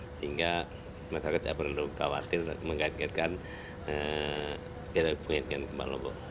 sehingga masyarakat tidak perlu khawatir mengaitkan tidak ada hubungan dengan gempa lombok